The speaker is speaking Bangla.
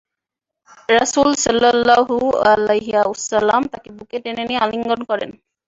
রাসূল সাল্লাল্লাহু আলাইহি ওয়াসাল্লাম তাকে বুকে টেনে নিয়ে আলিঙ্গন করেন।